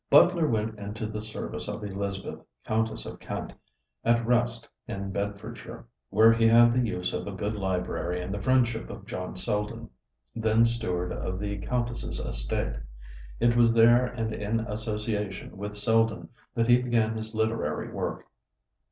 Butler went into the service of Elizabeth, Countess of Kent, at Wrest in Bedfordshire, where he had the use of a good library and the friendship of John Selden, then steward of the Countess's estate. It was there and in association with Selden that he began his literary work.